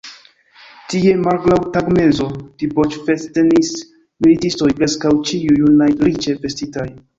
Tie, malgraŭ tagmezo, diboĉfestenis militistoj, preskaŭ ĉiuj junaj, riĉe vestitaj.